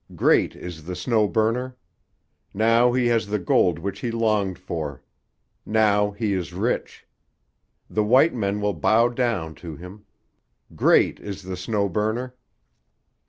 Great is the Snow Burner! Now he has the gold which he longed for. Now he is rich. The white men will bow down to him. Great is the Snow Burner!"